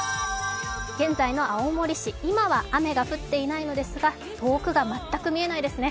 現在の青森市、今は雨が降っていないのですが遠くが全く見えないですね。